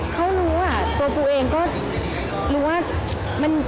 เขารู้อ่ะตัวปูเองก็รู้ว่า